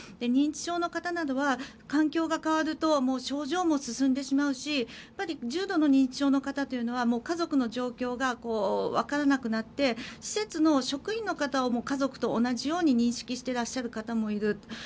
認知症の方などは環境が変わると症状も進んでしまうし重度の認知症の方というのは家族の状況がわからなくなって施設の職員の方を家族と同じように認識していらっしゃる方もいる。